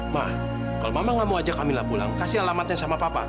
ma kalau mama nggak mau ajak kamila pulang kasih alamatnya sama papa